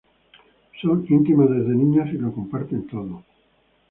Son íntimas desde niñas y lo comparten todo.